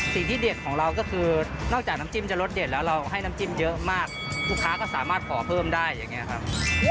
เด็ดของเราก็คือนอกจากน้ำจิ้มจะรสเด็ดแล้วเราให้น้ำจิ้มเยอะมากลูกค้าก็สามารถขอเพิ่มได้อย่างนี้ครับ